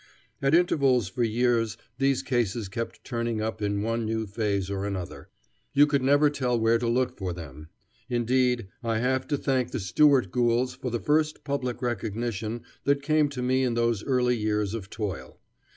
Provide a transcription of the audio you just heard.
At intervals for years these cases kept turning up in one new phase or another. You could never tell where to look for them. Indeed, I have to thank the Stewart ghouls for the first public recognition that came to me in those early years of toil.